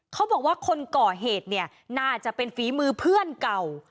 เขาบอกว่าคนก่อเหตุเนี่ยน่าจะเป็นฝีมือเพื่อนเก่า